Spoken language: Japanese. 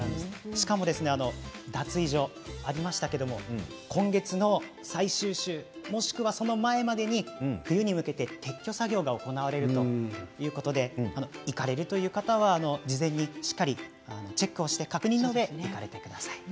しかも脱衣所ありましたけれど今月の最終週もしくは、その前までに冬に向けて撤去作業が行われるということで行かれるという方は事前にしっかりとチェックをして確認のうえ行ってください。